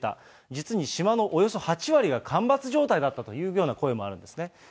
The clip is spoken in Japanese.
実に島のおよそ８割が干ばつ状態だったというような声もあるんですね。